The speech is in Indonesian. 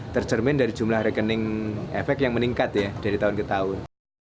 tercermin dari jumlah rekening efek yang meningkat ya dari tahun ke tahun